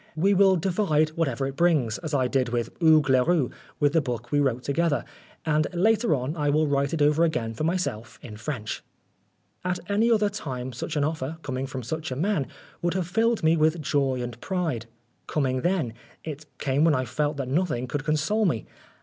We will divide whatever it brings, as I did with Hugues Leroux with the book we wrote together, and later on I will write it over again for myself in French." At any other time such an offer, coming from such a man, would have filled me with joy and pride. Coming then, it came when I felt that nothing could console me.